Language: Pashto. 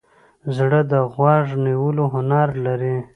زړه د غوږ نیولو هنر لري.